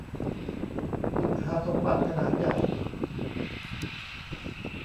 ขุดหาสมบัติขนานใหญ่